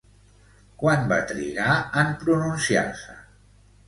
Quant va trigar en pronunciar-se?